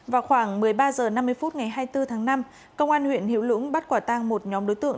vào khoảng một mươi ba h năm mươi phút ngày hai mươi bốn tháng năm công an huyện hiểu lũng bắt quả tang một nhóm đối tượng